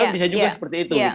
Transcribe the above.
bisa juga seperti itu